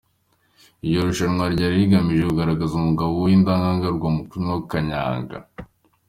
Iryo rushanwa ryari rigamije kugaragaza umugabo w’indahangarwa mu kunywa kanyanga.